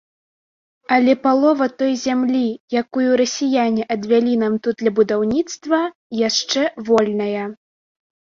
Але палова той зямлі, якую расіяне адвялі нам тут для будаўніцтва, яшчэ вольная.